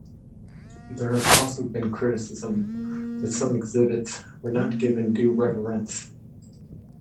There has also been criticism that some exhibits were not given due reverence.